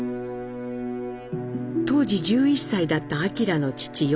当時１１歳だった明の父・喜一。